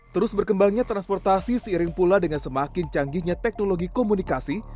terus berkembangnya transportasi seiring pula dengan semakin canggihnya teknologi komunikasi